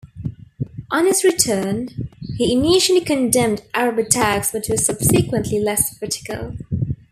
On his return, he initially condemned Arab attacks but was subsequently less critical.